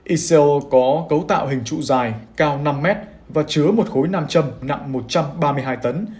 ico có cấu tạo hình trụ dài cao năm m và chứa một khối nam châm nặng một trăm ba mươi hai tấn